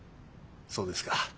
そうですか。